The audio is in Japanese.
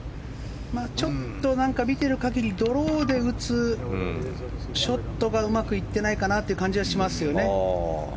ちょっと見てる限りドローで打つショットがうまくいっていないかなっていう感じはしますよね。